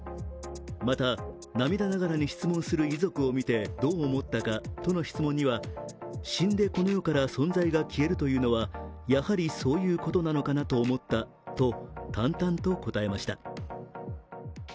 また涙ながらに質問する遺族を見てどう思ったかとの質問には死んでこの世から存在が消えるというのはやはりそういうことなのかなと思ったと、淡々と答えました。